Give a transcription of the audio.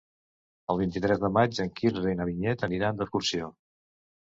El vint-i-tres de maig en Quirze i na Vinyet aniran d'excursió.